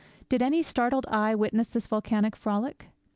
Did any startled eye witness this volcanic frolic?